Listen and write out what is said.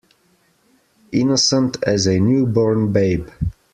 Innocent as a new born babe.